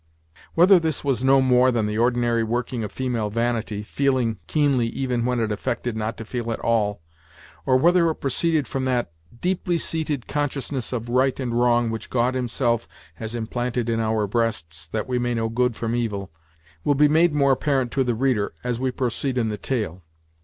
Whether this was no more than the ordinary working of female vanity, feeling keenly even when it affected not to feel at all, or whether it proceeded from that deeply seated consciousness of right and wrong which God himself has implanted in our breasts that we may know good from evil, will be made more apparent to the reader as we proceed in the tale.